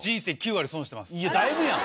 いやだいぶやん！